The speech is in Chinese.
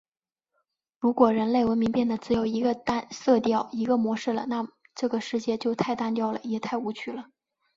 如果人类文明变得只有一个色调、一个模式了，那这个世界就太单调了，也太无趣了！